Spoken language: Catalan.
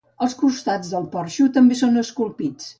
Els costats del porxo també són esculpits.